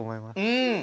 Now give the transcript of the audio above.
うん。